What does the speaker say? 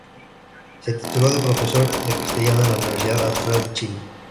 Se tituló de Profesor de Castellano en la Universidad Austral de Chile.